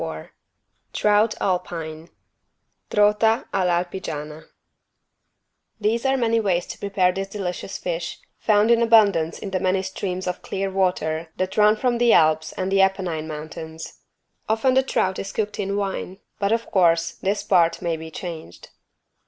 174 TROUT ALPINE (Trota all'alpigiana) These are many ways to prepare this delicious fish, found in abundance in the many streams of clear water that run from the Alps and the Apennine mountains. Often the trout is cooked in wine, but, of course, this part many be changed.